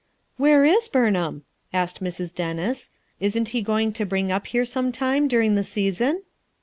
"Where is Burnham?" asked Mrs. Dennis. "Isn't he going to bring up here sometime dur ing the season?"